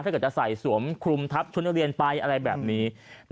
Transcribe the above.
ถ้าเกิดจะใส่สวมคลุมทับชุดนักเรียนไปอะไรแบบนี้